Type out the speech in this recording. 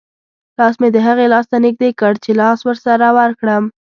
لاس مې د هغې لاس ته نږدې کړ چې لاس ورسره ورکړم.